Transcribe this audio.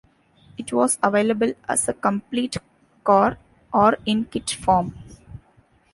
It was available as a complete car or in kit form.